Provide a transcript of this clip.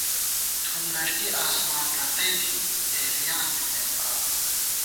تُھون نݭٹی آسمان رتئ تھنی حیریان تھنَئیم آں